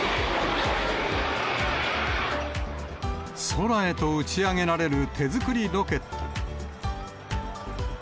空へと打ち上げられる手作りロケット。